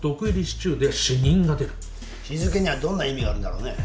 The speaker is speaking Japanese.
シチューで死人が出る」日付にはどんな意味があるんだろうね。